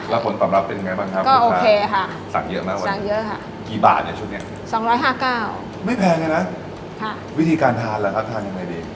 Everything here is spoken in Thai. แล้วผลตอบรับเป็นยังไงบ้างครับ